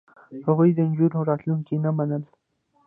هغوی د نجونو راتلونکې نه منله.